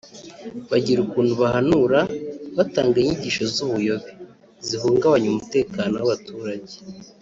bagira ukuntu bahanura batanga inyigisho z’ubuyobe zihungagbanya umutekano w’abaturage”